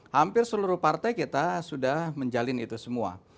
hampir seluruh partai kita sudah menjalin itu semua